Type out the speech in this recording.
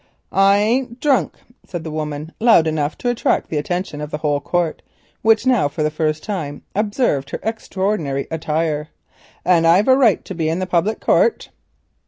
"I ain't drunk," said the woman, loud enough to attract the attention of the whole court, which now for the first time observed her extraordinary attire, "and I've a right to be in the public court."